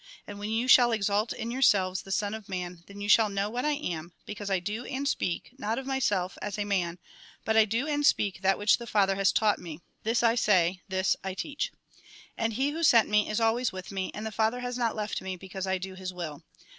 And when you shall exalt in yourselves the Son of Man, then you shall know what I am ; Lecause I do and speak, not of myself, as a man, but I do and speak that which the Father has taught me. This I say, this I teach. " And he who sent me is always with me ; and the Father has not left me, because I do His will.